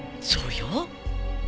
そうよ。